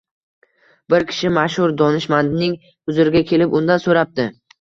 Bir kishi mashhur donishmandning huzuriga kelib, undan so‘rabdi: